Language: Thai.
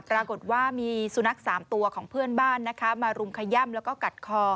ปรากฏว่ามีสุนัข๓ตัวของเพื่อนบ้านนะคะมารุมขย่ำแล้วก็กัดคอ